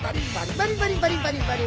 バリバリバリバリバリ！